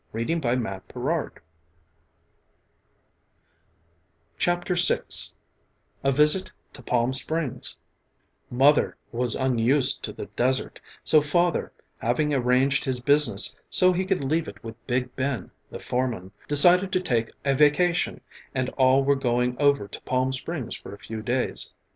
[Illustration: Palm Springs] A VISIT TO PALM SPRINGS MOTHER was unused to the desert, so Father, having arranged his business so he could leave it with Big Ben, the foreman, decided to take a vacation and all were going over to Palm Springs for a few days.